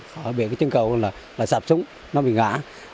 họ bị cái chân cầu là sạp súng nó bị ngã